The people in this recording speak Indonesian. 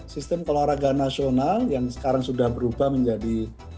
sistem olahraga nasional yang sekarang sudah berubah menjadi